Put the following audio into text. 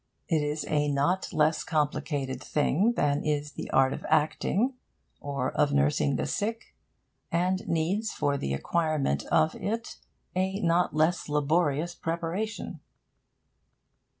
It is a not less complicated thing than is the art of acting, or of nursing the sick, and needs for the acquirement of it a not less laborious preparation.